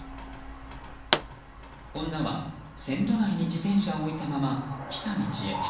女は線路内に自転車を置いたまま来た道へ。